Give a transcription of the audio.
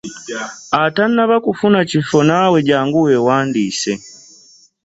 Atannaba kufuna kifo naawe jangu weewandiise.